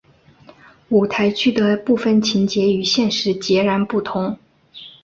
舞台剧的部分情节与现实截然不同。